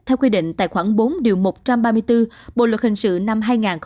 theo quy định tài khoản bốn một trăm ba mươi bốn bộ luật hình sự năm hai nghìn một mươi năm